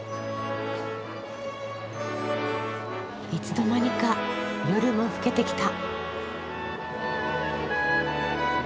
いつの間にか夜も更けてきた。